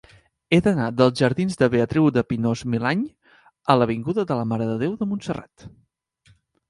He d'anar dels jardins de Beatriu de Pinós-Milany a l'avinguda de la Mare de Déu de Montserrat.